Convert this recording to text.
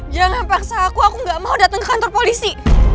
jangan paksa aku aku gak mau datang ke kantor polisi